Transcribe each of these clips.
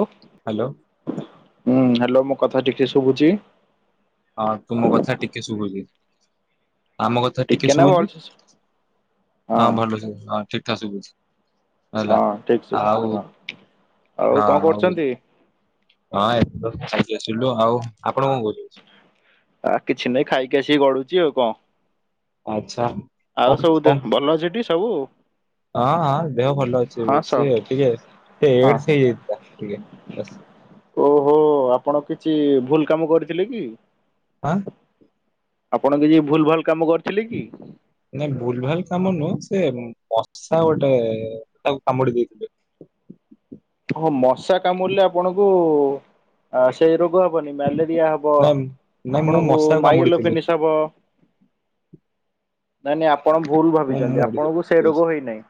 ଓ! Hello! ହୁଁ, hello! ମୁଁ କଥା ଟିକେ ଶୁଭୁଛି? ହଁ ତୁମ କଥା ଟିକେ ଶୁଭୁଛି। ଆମ କଥା ଟିକେ ନା ଶୁଭୁପି। ଭଲସେ ଶୁ ହଁ ଭଲଶୁଭୁ ହଁ ଠିକ୍ ଠାକ୍ ଶୁଭୁଛି ହଁ ହେଲା ଠିକ୍ ସୁଭୁଛି। ହଁ ଆଉ କଣ କରୁଚନ୍ତି? ହଁ ଏବେ ଖାଇକି ଆସିଲୁ। ଆଉ ଆପଣ କଣ କହୁଛନ୍ତି? ଆ କିଛି ନାହିଁ ଖାଇକି ଆସିି ଗଡୁଚି। ଆଉ କଁ ଆଚ୍ଛ ଆଉ ସବୁ ଦେହ ଭଲ ଅଛିଠି ସବୁ? ହଁ ହଁ ଦେହ ଭଲ ଅଛି। ହଁ ସ ସିଏ ଟିକେ ଟିଏ ହଁ ଏଡସ୍ ହେଇ ଯାଇଥିଲା। ଟିକେ ବସ୍! ଓହୋ! ଆପଣ କିଛି ଭୁଲ କାମ କରିଥିଲେ କି? ଆଁ! ଆପଣ କିଛି ଭୁଲ୍ ଭାଲ୍ ନାଁ ଭୁଲ ଭାଲ କାମ ନୁହଁ। ସେ ବସା ଗୋଟେ ତାକୁ କାମୁଡି ଦେଇଥିଲେ। ହଁ, ମଶା କାମୁଡ଼ିଲେ ଆପଣଙ୍କୁ ସେଇ ରୋଗ ଗ ହବନି ମ୍ୟାଲେରିଆ ହବ, ନାଇଁ ନାଇଁ ମୁଁ ଆପଣଙ୍କୁ ମଶାକୁ କାମୁଡିଥିଲି ମାଈଇଲୋଫେନିସ୍ ହବ। ନା ନାଇଁ ଆପଣ ଭୁଲ ମୁଁ ମୁଁ ଭାବିଛନ୍ତି, କାମୁଡିଥିଲି ଆପଣଙ୍କୁ ସେ କହୁଛି ରୋଗ ହୋଇନାହିଁ।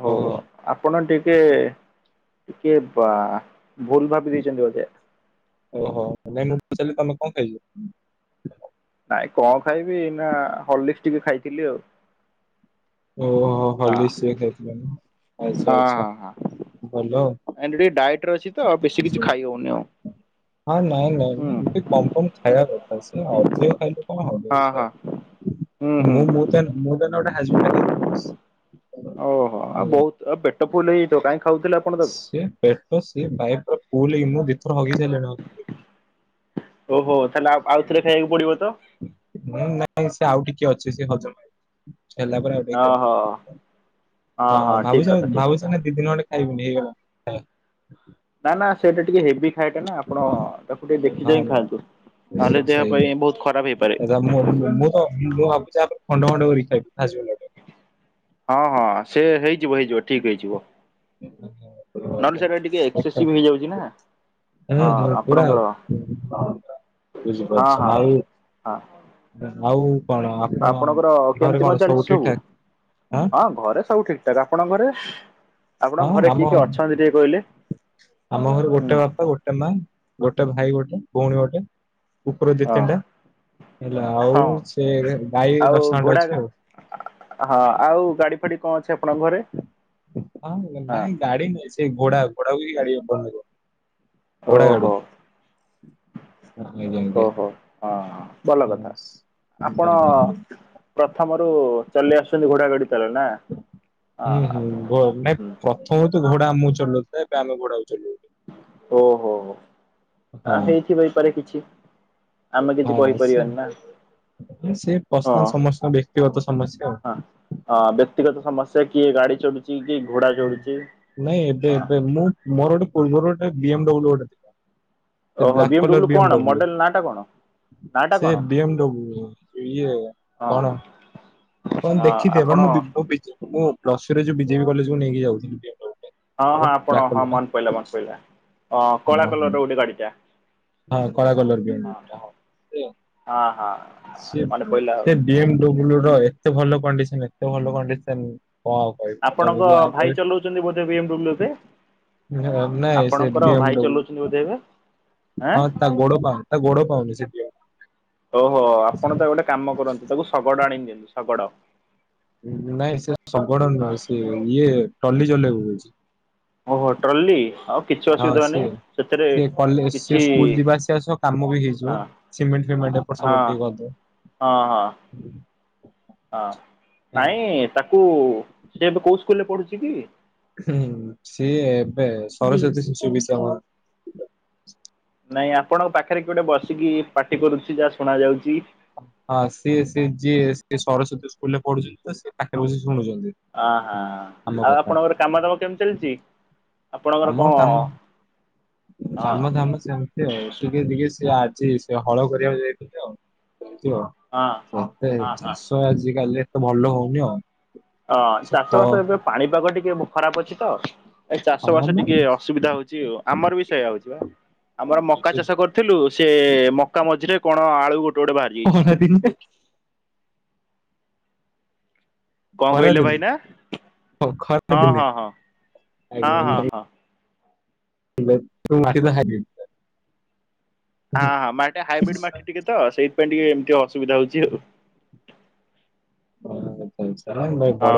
ହଉ ଓହୋ ଆପଣ ଟିକେ! ଟିକେ ବା ଭୁଲ୍ ଭାବି ଦେଇଛନ୍ତି ବୋଧେ? ଓହୋ ନାଇଁ ମୁଁ ପଚାରିଲି ତମେ କଣ ଖାଇଚ? ଆ କଣ ଖାଇବି? ନା ହର୍ଲିକ୍ସ ଟିକେ ଖାଇଥିଲି ଆଉ। ଓହୋ! ହଁ ହଲିକ୍ସ ସିଏ ଖାଇଥିଲ ନା। ଆଚ୍ଛା ହଁ ଆଚ୍ଛା ହଁ। ଭଲ ଆଉ। ଆଣ୍ଡ ଟିକେ ଡାଏଟରେ ଅଛି ତ, ବେଶୀ କିଛି ଖାଇ ହଉନି ଆଉ। ହଁ, ନାଇଁ ନାଇଁ ହୁଁ ନାଇଁ ଏମିତି କମ୍ କମ୍ ଖାଇବା କଥା। ସେ ଅଧିକ ଖାଇଲେ କଣ ହବ ହଁ ସେ? ହଁ ହୁଁ ହୁଁ। ମୁଁ ମୋତ ଏନେ, ମୁଁ ତ ଏନେ ଗୋଟେ ହାଜମିଲା ଖାଇଦେଇଛି। ଓହୋ! ଆ ବହୁତ ପେଟ ଫୁଲ ହେଇଆଇଥିବ ତ କାହିଁ ଖାଉଥିଲେ ଆପଣ ତାକୁ? ସେ ପେଟ ସେ ବାଇ ପୁରା ଫୁଲ ହେଇକି, ମୁଁ ଦି ଥର ହଗି ସାଇଲିଣି। ଆଉ ଓହୋ! ତାହେଲେ ଆଉ ଆଉ ଥରେ ଖାଇବାକୁ ପଡିବ? ତ ହୁଁ ନାଇଁ ସେ ଆଉ ଟିକେ ଅଛି। ସେ ହଜମ ହେଲା ପରେ ଆଉ ଟିକେ ଓହୋ ଖାଇମି। ହଁ ଠିକ ଭାବୁଛି କଥା ଠିକ କଥା। ଭାବୁଛି ନା ଦି ଦିନ ଖଣ୍ଡେ ଖାଇବିନି ହେଇଗଲା। ହ ନା ନା ସେଇଟା ଟିକେ ହେଭି ଖାଏଟା ନା, ଆପଣ ତାକୁ ଟିକେ ଦେଖି ଚାହିଁ ଖାଆନ୍ତୁ। ନହେଲେ ଦେହ ସେ-ସେଇ ପାଇଁ ବହୁତ ଖରାପ ହେଇପାରେ। ହଉଛି। ତ ମୁଁ-ମୁଁ-କଣ ମୁଁ-ମୁଁ ଭାବୁଛି ୟା ପରେ ଖଣ୍ଡ ଖଣ୍ଡ କରି ଖାଇ [unintelligible] ହଁ ହଁ ସେ ହେଇଯିବ ହେଇଯିବ ଠିକ୍ ହେଇଯିବ। ର ନହେଲେ ତା ସେଇଟା ଟିକେ ଆଚ୍ଛା। ଏକ୍ସେସିଭ ହେଇଯାଉଛି ନା ହଁ ହୂ ପୁରା ଆଉ ହଁ ବୁଝିପାରୁଛ ହଁ ହଁ। ଆଉ ହଁ ଆଉ କଣ ଆପଣ ଆପଣଙ୍କର ଘରେ କେମିତି କଣ ଚାଲିଛି ସବୁ ଠିକ୍ ଠାକ୍ ଆଁ? ଟାକ୍ ଆପଣଙ୍କ ଘରେ? ହଁ ଆପଣଙ୍କ ଘରେ କିଏ ଆମ କିଏ ଅଛନ୍ତି ଟିକେ କହିଲେ? ହ ଆମ ଘରେ ହୁଁ ଗୋଟେ ବାପା ଗୋଟେ ମା ଗୋଟେ ଭାଇ ଗୋଟେ ଭୋଉଣୀ ଗୋଟେ କୁକୁର ଦି ହଁ ତିନଟା। ହେଲା ଆଉ ହଁ ସେ ଗାଈ ଆଉ ଦଶଟା ଖଣ୍ଡେ ଘୋଡା ଅଛି ଆଉ। ହଁ ଆଉ ଗାଡ଼ି ଫାଡ଼ି କଁ ଅଛି ଆ ହଁ ନାଇଁ ଗାଡ଼ି ନାଇଁ ସେଇ ଘୋଡ଼ା ଘୋଡ଼ାକୁ ବି ଗାଡ଼ି ବନେଇଦବ। ଘୋଡ଼ା ଗାଡ଼ି ଓହୋ ଜାଣନେଇ କେମିତିକା। ଓହୋ ହଁ ଭଲ କଥା ଆପଣ ପ୍ରଥମରୁ ଚଲେଇ ଆସୁଚନ୍ତି ଘୋଡ଼ା ଗଡ଼ି ତାହେଲେ ନାଁ ହଁ ଆପଣ ସ୍ ହୁଁ। ଘୋଡ଼ା ଆମୁକୁ ଚଲଉଥୁଲା ଏବେ ଆମେ ଘୋଡ଼ାକୁ ଚଲଉ। ଓହୋ ଆ ହଁ ହେଇଥିବ ଏଇପାରେ କିଛି। ଆମେ କିଛି ହଁ ସେ କହିପାରିବାନି ନା ସେ ହଁ। ପର୍ସନାଲ୍ ସମସ୍ତ ବ୍ୟକ୍ତିଗତ ସମସ୍ୟା ଆଉ। ହଁ ବ୍ୟକ୍ତିଗତ ସମସ୍ୟା କିଏ ଗାଡ଼ି ନାଇଁ ଏବେ ହଁ ଏବେ ମୁଁ ମୋର ଗୋଟେ ପୂର୍ବରୁ ଗୋଟେ ବି ଏମ୍ ଡବ୍ଲୁ ଗୋଟେ ଥିଲା। ଏ ଓହୋ ବ୍ଲାକ୍ ଏମ କଲର୍ ବି ଏମ୍ କଣ ଡବ୍ଲୁ। ମଡେଲ ନାଁ ଟା କଣ ନାଁ ଟା ସେ କଣ ବି ଏମ୍ ଡବ୍ଲୁ ଇଏ ହଁ କଣ? ଆପଣ ହଁ ଦେଖିଥିବେ ବା ଆପଣ ମୁଁ ବି ମୁଁ ବି ଜେ ମୁଁ ପ୍ଲସୁରେ ଯୋଉ ବି ଜେ ବି କଲେଜ୍ କୁୁ ନେଇକି ଯାଉଥୁଲି ବି ଏମ୍ ଡବ୍ଲୁ। ଟା ହଁ ମୋର ହଁ ଆପଣ ବ୍ଲାକ୍ କଲର ହଁ ଟା। ମନେ ପଇଲା ମନେ ପଇଲା ହଁ କଳା କଲର୍ ହଁ, ର ଗୋଟେ ଗାଡ଼ିଟା। କଳା କଲର୍ ବି ଏମ୍ ଡବ୍ଲୁ ଟା ହଁ ହଁ ହଁ ସିଏ ମନେ ପଇଲା ଆଉ ସିଏ ଏ ବି ଏମ୍ ଡବ୍ଲୁ ର ଏତେ ଭଲ କଣ୍ଡିସନ୍ ଏତେ ଭଲ କଣ୍ଡିସନ୍ ଆପଣଙ୍କ ଭାଇ ଚଲଉଚନ୍ତି ବୋଧେ ବି ଏମ୍ ଡବ୍ଲୁ ଏବେ? ଇ ହ ନାଇଁ ସେ ଡି ଆପଣଙ୍କର ଏମ୍ ଭାଇ ଚଲଉଛନ୍ତି ଡବ୍ଲୁ ବୋଧେ ଏବେ ଆଁ ହଁ ତା ଗୋଡ଼ ପାଉ ତା ଗୋଡ଼ ପାଉନି ସେଥିପାଇଁ। ଓହୋ ଆପଣ ତା ଗୋଟେ କାମ କରନ୍ତୁ ତାକୁ ଶଗଡ଼ ଆଣିିକି ଦିଅନ୍ତୁ ଶଗଡ଼। ନାଇଁ ସେ ଶଗଡ଼ ହଁ ନୁହେଁ ସେ ଇଏ ଟଲି ଚଲେଇବ କୋହୁଚି। ଓହୋ ଟ୍ରଲି ଆଉ କିଛି ହଁ ଅସୁବିଧା ସିଏ ନାହିଁ ସେଥିରେ ସିଏ କଲେ ସି କିଛି ସ୍କୁଲ୍ ଯିବା ଆସିବା ସହ କାମ ବି ହେଇଯିବ ହଁ ସିମେଣ୍ଟ୍ ଫିମେ ଏଣ୍ଡ୍ ଏପଟ ସ ହଁ ଗୋଟେଇ କରିଦେବେ। ହଁ ହଁ। ଓ ହଁ ନାଇଁ ତାକୁ ସେ ଏବେ କୋଉ ସ୍କୁଲ୍ ରେ ପଢୁଚି କି? ହୁଁ ସିଏ ଏବେ ସରସ୍ଵତୀ ଶିଶୁ ବିଦ୍ୟା ମ ନାଇଁ ଆପଣଙ୍କ ପାଖରେ କିଏ ଗୋଟେ ବସିକି ପାଟି କରୁଚି ଯାହା ଶୁଣା ଯାଉଚି। ହଁ ସିଏ ସେ ଯିଏ ସେ ସରସ୍ଵତୀ ସ୍କୁଲ୍ ରେ ପଢୁଚନ୍ତି ତ ସିଏ ପାଖରେ ବସି ଶୁଣୁଚନ୍ତି ଅ ହଁ ଆମ ଆଉ କଥା। ଆପଣଙ୍କର କାମ ଦାମ କେମିତି ଚାଲିଛି? ଆପଣଙ୍କର ଆମ କଣ କାମ୍ ହଁ ହଁ। କାମ ଧାମ ଚାଲଚି ଆଉ ଟିକେ ଟିକେ ସେ ଆ ସେଇ ସେ ହଳ କରିବାକୁ ଯାଇଥିଲେ ଆଉ କୁହ ହଁ ସେ ଚାଷ ଆଜିକାଲି ତ ଭଲ ହୋଉନି ଆଉ। ଅଁ ସତ ଚାଷ ବାସ ଏବେ ପାଣିପାଗ ଟିକେ ବୋ ଖରାପ ଅଛି ତ। ଏ ଚାଷ ହଁ ବାସ ମ ଟିକେ ଅସୁବିଧା ହଉଚି ଆଉ ଆମର ବି ସେଇୟା ହଉଚି ବା। ଆମର ମକା ଚାଷ କରିଥିଲୁ ସେ ମକା ମଝିରେ କଣ ଆଳୁ ଉ ଖରା ଦିନରେ କଁ ଖରା କହିଲେ ଦିନେ ଭାଇନା? ହଁ ଖରା ହଁ ଦିନେ ହଁ ହଁ। ହଁ ହଁ ହଁ। ଲେ ତୁ ମାରିବା ହାଗେ ହଁ ହଁ ମାଟି ହାଇବ୍ରିଡ ମାଟି ଟିକେ ତ ସେଇ ପାଇଁ ଟିକେ ଏମିତି ଅସୁବିଧା ହଉଛି ଆଉ। [unintelligible]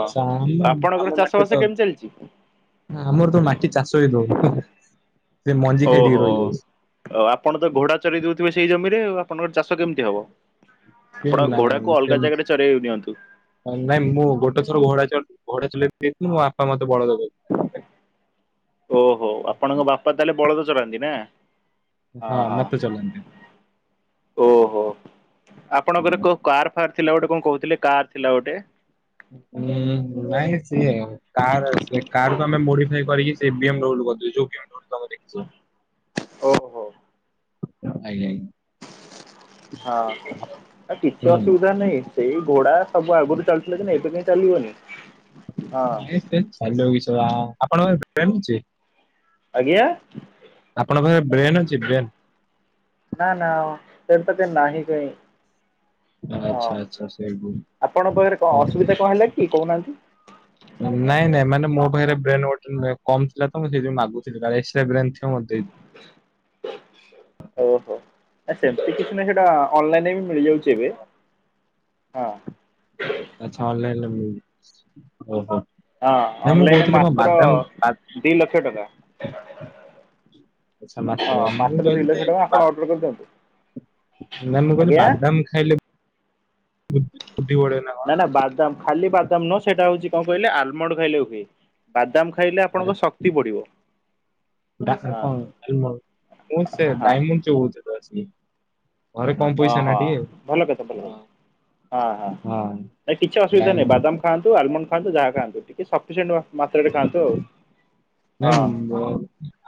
ହଁ। ଆପଣଙ୍କର ଚାଷ ବାସ କେମିତି ଚାଲିଛି? ଆମର ତ ମାଟି ଚାଷ ବି ଦଉନି। ସେ ମଞ୍ଜି ଓହୋ ଖାଇଦେଇକି ରହିଯାଉଛି ଆପଣ ତ ଘୋଡା ଚରାଇ ଦଉଥିବେ ସେଇ ଜମିରେ ଆଉ। ଆପଣଙ୍କର ଚାଷ କେମିତି ହବ? ସେ ଆପଣ ନାଇଁ ଘୋଡାକୁ ସେ ଅଲଗା ଜାଗାରେ ଚରେଇ ନିଅନ୍ତୁ ନାଇଁ ମୁଁ ଗୋଟେ ଥର ଘୋଡା ଚଲ ଘୋଡା ଚଲାଉଥିଲୁ ମୋ ବାପା ମତେ ବଳଦ କରିଥିଲେ। ଓହୋ ଆପଣଙ୍କ ବାପା ତାହେଲେ ବଳଦ ଚଳାନ୍ତି ନା? ହଁ ମତେ ଚଲାନ୍ତି। ଓହୋ ଆପଣଙ୍କର କୋ କାର ଫାର୍ ଥିଲା ଗୋଟେ କଣ କହୁଥିଲେ କାର ଥିଲା ଗୋଟେ? ହୁଁ ନାଇଁ ସିଏ କାର କାର କ ଆମେ ମଡିଫାଇ କରିକି ସେ ବି ଏମ ଡବ୍ଲୁ ର କରି ଦେଉଚୁ ଯୋଉ ବି ମ ଡବ୍ଲୁ ତମେ ଦେଇଚୁ ଓହୋ। ମୁତ ମାଇଲାଇ ହଁ ଆ କିଛି ହୁଁ ଅସୁବିଧା ନାହିଁ ସେଇ ଘୋଡା ସବୁ ଆଗରୁ ଚାଲିଥିଲା କି ଏବେ କାହିଁ ଚାଲିବନି। ହଁ ନାଇଁ ସେ ଚାଲ ଇସ ବାଃ ଆପଣଙ୍କର ଦୁଆ ଞ୍ଚି ଆଜ୍ଞା। ଆପଣଙ୍କ ପାଖରେ ବ୍ରେନ୍ ଅଛି? ବ୍ରେନ? ନା ନା ବ୍ରେନ ଟା ନାହିଁ କାଇଁ। ହଁ ଆଚ୍ଛା ଆଚ୍ଛା ସେଇବ ଆପଣଙ୍କ ପାଖରେ କଣ ହ ଅସୁବିଧା କଣ ହେଲା କି କହୁନାହାନ୍ତି? ନାଇଁ ନାଇଁ ମାନେ ମୋ ପାଖରେ ବ୍ରେନ ଗୋଟେ କମ ଥିଲା ତ ମୁଁ ସେଇଥି ମାଗୁଥିଲି କାଳେ ସେ ବ୍ରେନ ଥିବ ମତେ ଦେଇ ଓହୋ ଆ ସେମିତି କିଛି ନାହିଁ ଅନଲାଇନ୍ ମିଳିଯାଉଛି ଏବେ ହଁ। ଆଚ୍ଛା ଅନଲାଇନରେ ମିଳୁଛି ଓହୋ। ହଁ ନାଇଁ ମୁଁ ଅନଲାଇନରେ କହୁଥିଲି କଣ ମାତ୍ର ବାଦାମ ବା ଦି ଲକ୍ଷ ଟଙ୍କା। ଆଚ୍ଛା ମାତ୍ର ହଁ ମୁଁ ମାତ୍ର ଦି ଲକ୍ଷ୍ୟ ଟଙ୍କା ଆପଣ ଅର୍ଡର କରିଦିଅନ୍ତୁ। ନା ମୁଁ କହିଲି ଆଜ୍ଞା ବାଦାମ ଖାଇଲେ [unintelligible] ନା ନା ବାଦାମ ଖାଲି ବାଦାମ ନୁହଁ ସେଇଟା ହଉଛି କଣ କହିଲେ ଆଲମଣ୍ଡ ଖାଇଲେ ହୁଏ। ବାଦାମ ଖାଇଲେ କଣ? ଆପଣଙ୍କ ଶକ୍ତି ବଢିବ। ହଁ ମୁଁ ସେ ହଁ ଡାଇମଣ୍ଡ ଚୌତିରେ ଅଛି। ଓହୋ ଭଲ କଥା ଭଲ କଥା। ହଁ ହଁ ନାଇଁ କିଛି ଅସୁବିଧା ନାହିଁ ବାଦାମ ଡାଇମଣ୍ଡ ଖାଆନ୍ତୁ ଆଲମଣ୍ଡ ଖାଆନ୍ତୁ ଯାହା ଖାଆନ୍ତୁ ଟିକେ ସକ୍ ହଁ ନାଇଁ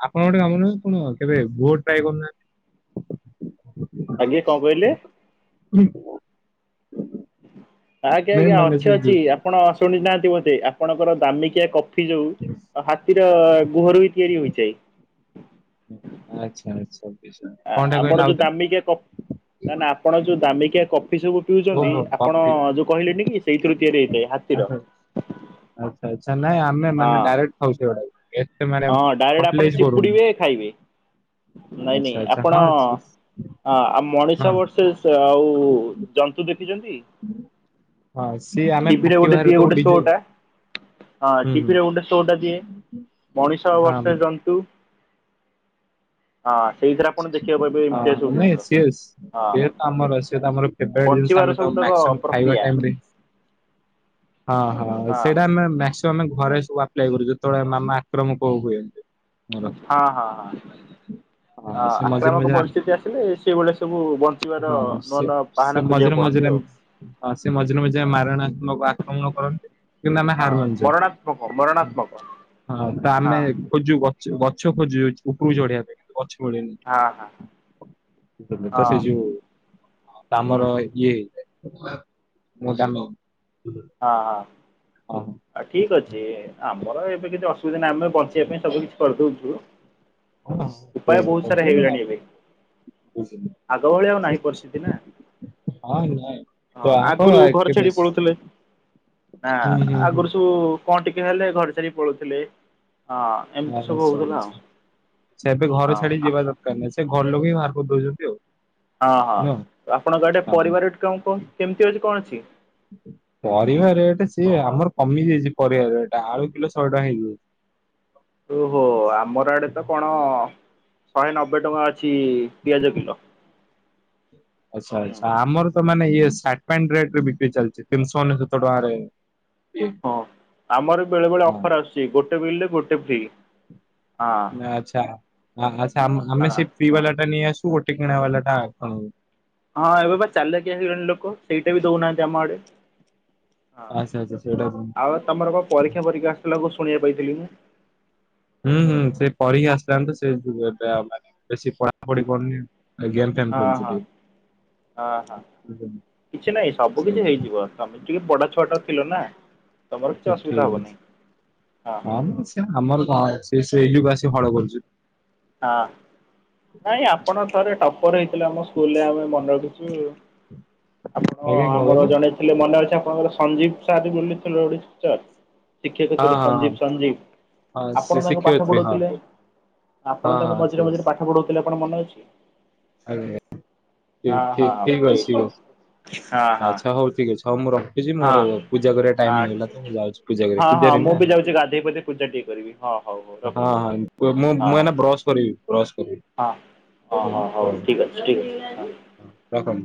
ଆପଣଙ୍କ ଗୋଟେ କାମ କଣ କେବେ ଭୋଟ ଟାଏ କରୁନାହାନ୍ତି? ଆଜ୍ଞା କଣ କହିଲେ? ହୁଁ। ଆଜ୍ଞା ଆଜ୍ଞା ମାନେ ସେ ଅଛି ଅଛି ଯୋଉ ଆପଣ ଅସୁ ଶୁଣି ନାହାନ୍ତି ବୋଧେ ଆପଣଙ୍କର ଦାମିକିଆ କଫି ଯୋଉ ହାତୀର ଗୁହର ବି ତିଆରି ହୋଇଚିଆଇ। ଆଚ୍ଛା ଆଚ୍ଛା ବୁଝିଲି କଣଟା କହିଲେ ଆପଣ ଯୋଉ ଆଉଥରେ? ଦାମିକିଆ କପ୍ ନା ନା ଆପଣ ଯୋଉ ଦାମିକିଆ କପ୍ ଫି ସବୁ ପିଉଛନ୍ତି ଓହୋ ଆପଣ କଫି ଯୋଉ କହିଲେଣି କି ସେଇଥିରୁ ତିଆରି ହେଇଥାଏ ହାତୀର ଆଚ୍ଛା ଆଚ୍ଛା ଆଚ୍ଛା ନାଇଁ ହଁ ଆମୋନେ ଡାଇରେକ୍ଟ ଖାଉ ସେଗୁଡାକ ଏ ହଁ ଡାଇରେକ୍ଟ ଆପଣ ଚିପୁଡିବେ ଖାଇବେ। ନାଇଁ ଆଚ୍ଛା ନାଇଁ ଆଚ୍ଛା ଆପଣ ହଁ ସେ- ଆ ମଣିଷ ହଁ ବର୍ଷେସ ଆ ହୋଉ ଜନ୍ତୁ ଦେଖିଛନ୍ତି? ହଁ ସିଏ ଆମେ ଟିଭିିରେ ଫାଟି ଗୋଟେ ବାହାରେ ଦିଏ ତାକୁ ଗୋଟେ ସୋ ଡିଜଉ ଟା ଆ ହୁଁ ହୁଁ ଟିଭିରେ ଗୋଟେ ସୋଟା ଦିଏ ମଣିଷ ହଁ ଭର୍ସେସ ଜନ୍ତୁ। ହଁ ସେଇଥିରେ ଆପଣ ଦେଖିବାକୁ ପାଇବେ ଏମିତିଆ ସବୁ ହଁ ନାଇଁ ଜିନିଷ ସିଏ ସିଏ ତ ଆମର ସିଏ ତ ଆମର ହଁ ଫେବରାଇଟ ଜିନିଷ ବଞ୍ଚି ଆମେ ତ ସବୁ ତକ ମ୍ୟାକ୍ସିମମ୍ ଖାଇବା ପ୍ରକ୍ରିୟା ଟାଇମ ରେ ହଁ ହଁ ସେଇଟା ଆମେ ଆମେ ଘରେ ସବୁ ଆପ୍ଲାଏ କରୁ ଯେତେବେଳେ ମାମା ଆକ୍ରମକ ହୁଛନ୍ତି। ହଁ ହଁ ହଁ। ଅ ହଁ ସେ ମଝିରେ ଆକ୍ରାମକ ମଝିରେ ଆ- ପରିସ୍ଥିତି ଆସିଲେ ସେଭଳିଆ ସବୁ ବଞ୍ଚିବାର ହଁ ନୂଆ ସେ ନୂଆ ସେ ବାହାନା ମଝିରେ ଖୋଜିବାକୁ ପଡନ୍ତି। ମଝିରେ ସେ ମଝିରେ ମଝିରେ ମାରଣାତ୍ମକ ଆକ୍ରମଣ କରନ୍ତି। କିନ୍ତୁ ଆମେ ହଁ ହାର ମାନିଛୁ। ମରଣାତ୍ମକ! ମରଣାତ୍ମକ! ହଁ ତ ଆମେ ଖୋଜୁ ଗଛ ଗଛ ଖୋଜୁ ଉପରକୁ ଚଢେଇବା ପାଇଁ କିନ୍ତୁ ଗଛ [inaudible] ହଁ ହଁ ବ ହଁ ଏ ଯୋଉ ହୁଁ ତମର ଇଏ ହେ ମୁଁ [inaudible] ହଁ ହଁ। ହଁ ଆଉ ଠିକ ଅଛି ଆମର ଏବେ କିଛି ଅସୁବିଧା ନାହିଁ, ଆମେ ବଞ୍ଚେବା ପାଇଁ ସବୁ କିଛି କରିଦଉଛୁ। ହଁ ଉପାୟ ସେଇ ବହୁତ କଥା ସାରା ଯେ ଆଉ ହେଇଗଲାଣି ଏବେ। ବୁଝିଲି। ଆଗ ଭଳିଆ ଆଉ ନାହିଁ ପରିସ୍ଥିତି ନା। ହଁ ନାଇଁ ହଁ ତ ଆପ ଆଗରୁ ଘର କେବେ ଛାଡି ପଳୁଥିଲେ ନା ହୁଁ ହୁଁ ହୁଁ ଆଗରୁ ସବୁ କଣ ଟିକେ ହେଲେ ଘରେ ସାର ପଳଉଥିଲେ ହଁ ଏମିତି ଆ ସବୁ ହଉଥିଲା ସରଛି ସେଛବେେ ଘର ଆଉ ଛାଡ଼ି ହଁ ଯିବା ଦରକାର ନାହିଁ ସେ ଘର ଲୋକେଇ ହ ବାହାର କରିଦଉଛନ୍ତି ଆଉ। ହଁ ହଁ ନୁହଁ। ଆପଣଙ୍କ ଏଟେ ହଁ ପରିବାର କଣ କଣ କେମିତି ଅଛି କଣ ଅଛି? ପରିବା ରେଟ୍ ସିଏ ଆମର କମି ଯାଇଛି ପରିବା ରେଟ୍ ଆଳୁ କିଲୋ ଶହେ ଟଙ୍କା ହେଇଯାଉଛି। ଓହୋ ଆମର ଆଡେ ତ କଣ? ଶହେ ନବେ ଟଙ୍କା ଅଛି ପିଆଜ କିଲୋ। ଆଚ୍ଛା ହୁଁ ଆଚ୍ଛା ଆମର ତ ମାନେ ଇଏ ରେ ରେ ବିକି ଚାଲିଛି ତିନିଶହ ଅନେଶତ ଟଙ୍କାରେ ଇଏ। ହଁ ଆମର ବେଳେ ବେଳେ ହଁ ଅଫର ଆସୁଛି ଗୋଟେ ବିଲ ରେ ଗୋଟେ ଫ୍ରି ହଁ ଆଚ୍ଛା ଆଛା ଆମେ ହଁ ସେଇ ଫ୍ରି ବାଲା ଟା ନେଇ ଆସ ଗୋଟେ କିଣା ବାଲା ଟା କଣ? ହଁ ଏବେ ବା ଚାଲିଲା କି ଆ ଜଣ ଲୋକ ସେଇଟା ବି ଦଉନାହାନ୍ତି ଆମ ଆଡେ। ହଁ ଆଚ୍ଛା ଆଚ୍ଛା ସେଇଟା ଆଉ ତମର କଣ ପରୀକ୍ଷା ପରୀକ୍ଷା ଆସିଥିଲା କଣ ପାଇଥିଲ ମୁ ହୁଁ ହୁଁ ସେ ପର ହିଁ ଆସିଲ ତ ସେ ଯ ଏବେ ଆଉ ମାନେ ବେଶୀ ପଢାପଢିଢନି ଜ୍ଞାନ ଗେମ ପେମ ଖେଳୁଛି ଟିକେ ଅ ହଁ କିଛି ନାଇଁ ସବୁ କିଛି ହେଇଯିବ ସମୀ ଟିକେ ପଡା ଛୁଆ ଟା ଛା ଠିକ ଅଛି ହଁ କଣ ଅ ଆମର କଣ ଅଛି। ସେ ସେଇକୁ ଆସି ହଳ କରୁଛୁ। ହଁ ନାଇଁ ଆପଣ ଥରେ ଟପର ହେଇଥିଲେ ଆମ ସ୍କୁଲରେ ଆମେ ମନେ ଆପଣ ଆଜ୍ଞା କଣ ଆମର କହିଲେ ଜଣେଥିଲେ ମନେ ଅଛି ଆପଣଙ୍କର ସଞ୍ଜୀବ ସାର ବୋଲିଥିଲ। ଶିକ୍ଷକ ହଁ ଥିଲେ ହଁ ହଁ ସଞ୍ଜୀବ ସଞ୍ଜୀବ ହଁ ଆପଣ ସେ ତାଙ୍କୁ ପାଠ ଶିକ୍ଷୟତ୍ରୀ ହଁ ପଢଉଥିଲେ? ହଁ ଆପଣ ତାଙ୍କୁ ହଁ ମଝିରେ ମଝିରେ ପାଠ ପଢଉଥିଲେ ଆପଣ ମନେ ଅଛି? ଆରେ ଠ ହଁ ଠିକ ହଁ ଠିକ ସେଇ ଅଛି ସେଇ ଅଛି। ହଁ ହଁ ଆଛ ହଉ ଟିକେ ହଉ ମୋର ଦେଖୁଛି ହଁ ମୋର ପୂଜା କରିବା ଟାଇ ହଁ ହେଇଗଲା ତ ମୁଁ ଯାଉଛି ପୂଜା ହଁ ହଁ ପୂଜାରେ ମୁଁ ନା! ବି ଯାଉଛି ଗାଧୋଇ ପାଧେଇ ପୂଜା ଟିକେ କରିବି ହଁ ହଉ ହଉ ହଁ ରଖୁଛି ହଁ ମୁଁ ମୁଁ ହଁ ଏନା ବ୍ରସ୍ କରିବି ବ୍ରସ୍ କରିବି। ହଁ ହଁ ହଁ ହଉ ଠିକ ଅଛି ଠିକ୍ ଅଛି। ରଖନ୍ତୁ।